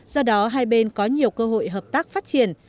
do đó hai bên có nhiều cơ hội thúc đẩy